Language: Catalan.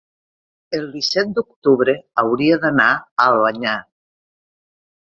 el disset d'octubre hauria d'anar a Albanyà.